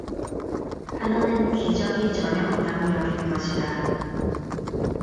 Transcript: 하나는 기적이 전혀 없다고 여기는 것이다.